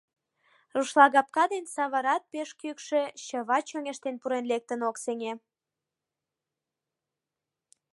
Рушлагапка ден саварат пеш кӱкшӧ, чыват чоҥештен пурен-лектын ок сеҥе.